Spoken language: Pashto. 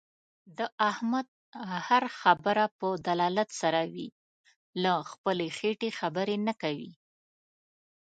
د احمد هر خبره په دلالت سره وي. له خپلې خېټې خبرې نه کوي.